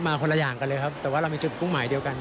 คนละอย่างกันเลยครับแต่ว่าเรามีจุดมุ่งหมายเดียวกัน